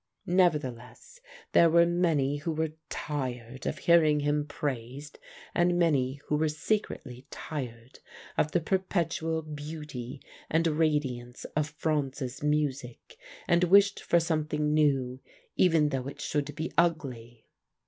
Nevertheless there were many who were tired of hearing him praised, and many who were secretly tired of the perpetual beauty and radiance of Franz's music, and wished for something new even though it should be ugly.